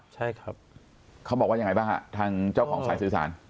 ใช่ครับเขาบอกว่ายังไงบ้างฮะทางเจ้าของสายสื่อสาร